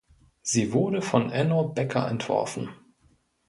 Sie wurde von Enno Becker entworfen.